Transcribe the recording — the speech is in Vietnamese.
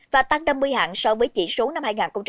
và tăng năm mươi hạng so với chỉ số năm hai nghìn một mươi chín